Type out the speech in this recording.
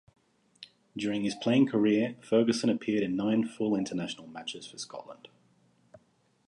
During his playing career, Ferguson appeared in nine full international matches for Scotland.